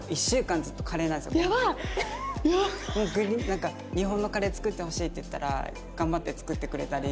なんか日本のカレー作ってほしいって言ったら頑張って作ってくれたり。